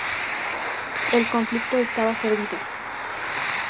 El conflicto estaba servido.